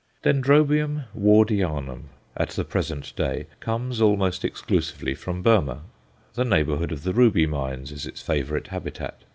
Dendrobium Wardianum, at the present day, comes almost exclusively from Burmah the neighbourhood of the Ruby Mines is its favourite habitat.